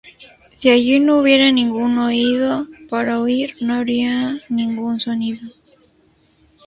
Si allí no hubiera ningún oído para oír, no habría ningún sonido.